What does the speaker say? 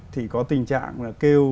thì có tình trạng là kêu